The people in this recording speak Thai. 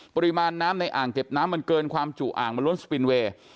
ปริมาณน้ำในอ่างเก็บน้ำมันเกินความจุอ่างมันล้นสปินเวย์